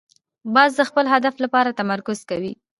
باز د خپل هدف لپاره تمرکز کوي